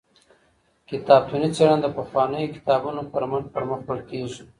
کتابتوني څېړنه د پخوانیو کتابونو پر مټ پرمخ وړل کیږي.